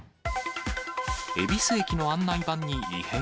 恵比寿駅の案内板に異変。